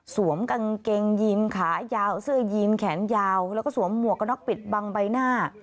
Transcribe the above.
กางเกงยีนขายาวเสื้อยีนแขนยาวแล้วก็สวมหมวกกระน็อกปิดบังใบหน้า